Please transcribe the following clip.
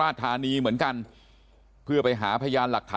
แล้วก็ยัดลงถังสีฟ้าขนาด๒๐๐ลิตร